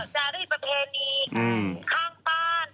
จะได้ประเพณีข้างบ้านหน้าบ้านหลังบ้าน